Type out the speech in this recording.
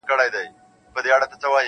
مار لا څه چي د پېړیو اژدهار وو-